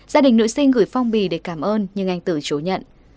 gia đình nữ sinh gửi phong bì để cảm ơn nhưng anh tử chố nhận